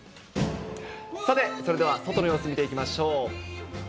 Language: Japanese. さてそれでは外の様子見ていきましょう。